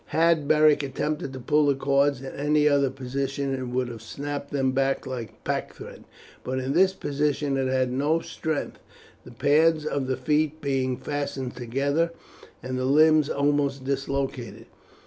Had Beric attempted to pull the cords in any other position it would have snapped them like pack thread, but in this position it had no strength, the pads of the feet being fastened together and the limbs almost dislocated.